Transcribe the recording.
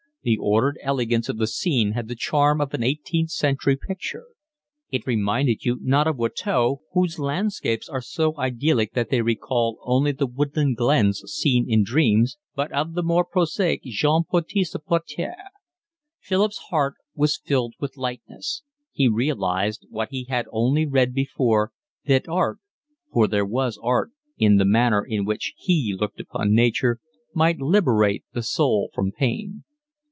The ordered elegance of the scene had the charm of an eighteenth century picture. It reminded you not of Watteau, whose landscapes are so idyllic that they recall only the woodland glens seen in dreams, but of the more prosaic Jean Baptiste Pater. Philip's heart was filled with lightness. He realised, what he had only read before, that art (for there was art in the manner in which he looked upon nature) might liberate the soul from pain.